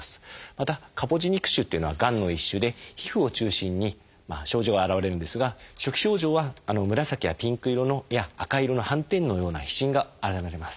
またカポジ肉腫っていうのはがんの一種で皮膚を中心に症状が現れるんですが初期症状は紫やピンク色や赤色の斑点のような皮疹が現れます。